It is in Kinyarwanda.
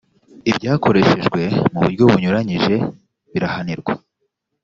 ibyakoreshejwe mu buryo bunyuranyije birahanirwa